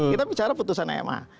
kita bicara putusan ma